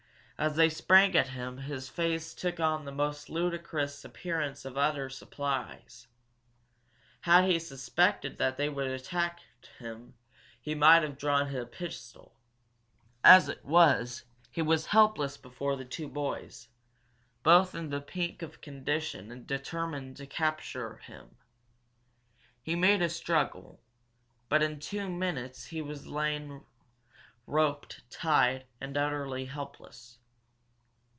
As they sprang at him his face took on the most ludicrous appearance of utter surprise. Had he suspected that they would attack him he might have drawn a pistol. As it was, he was helpless before the two boys, both in the pink of condition and determined to capture him. He made a struggle, but in two minutes he was laying roped, tied, and utterly helpless.